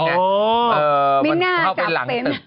มันเข้าไปหลังตึก